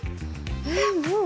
ええもう？